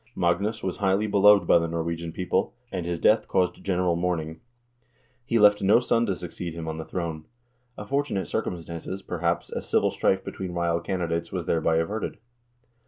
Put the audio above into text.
Magnus was highly beloved by the Norwegian people, and his death caused general mourning. He left no son to succeed him 280 HISTORY OF THE NORWEGIAN PEOPLE on the throne ; a fortunate circumstance, perhaps, as civil strife between rival candidates was thereby averted.